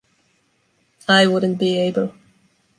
I wouldn’t be able.